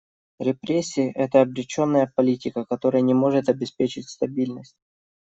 Репрессии — это обреченная политика, которая не может обеспечить стабильность.